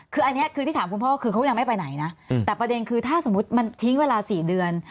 คืออันนี้คือที่ถามคุณพ่อคือเขายังไม่ไปไหนนะแต่ประเด็นคือถ้าสมมุติมันทิ้งเวลา๔เดือน